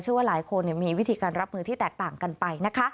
เชื่อว่าหลายคนมีวิธีการรับมือที่แตกต่างกันไป